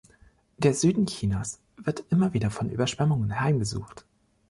Der Süden Chinas wird immer wieder von Überschwemmungen heimgesucht.